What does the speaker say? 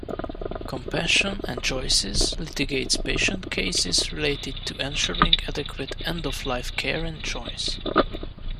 Compassion and Choices litigates patient cases related to ensuring adequate end-of-life care and choice.